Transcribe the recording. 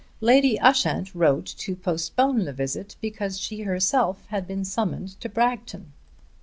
Lady Ushant wrote to postpone the visit because she herself had been summoned to Bragton.